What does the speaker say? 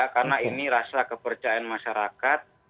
karena ini rasa kepercayaan masyarakat